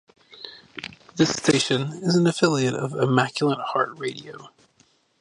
This station is an affiliate of Immaculate Heart Radio.